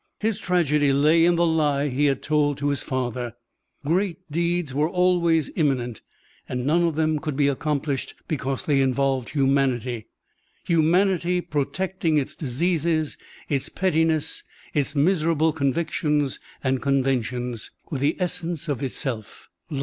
His tragedy lay in the lie he had told to his father: great deeds were always imminent and none of them could be accomplished because they involved humanity, humanity protecting its diseases, its pettiness, its miserable convictions and conventions, with the essence of itself life.